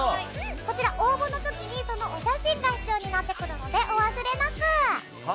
応募の時にお写真が必要になってくるのでお忘れなく！